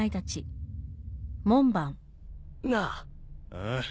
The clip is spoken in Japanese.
ああ？